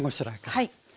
はい。